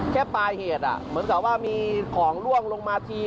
แค่ปลายเหตุเหมือนกับว่ามีของล่วงลงมาที